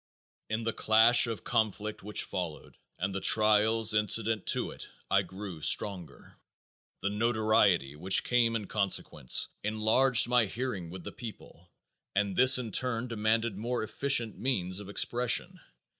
In the clash of conflict which followed and the trials incident to it I grew stronger. The notoriety which came in consequence enlarged my hearing with the people and this in turn demanded more efficient means of expression.